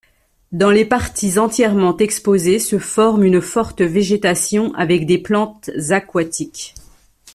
Dans les parties entièrement exposées se forme une forte végétation avec des plantes aquatiques.